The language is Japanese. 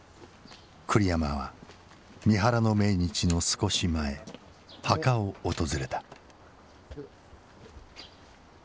栗山は三原の命日の少し前墓を訪れた。